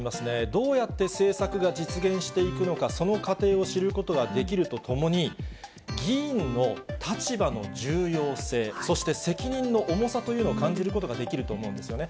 どうやって政策が実現していくのか、その過程を知ることができるとともに、議員の立場の重要性、そして責任の重さというのを感じることができると思うんですよね。